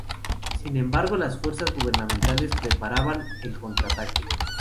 Sin embargo las fuerzas gubernamentales preparaban el contraataque.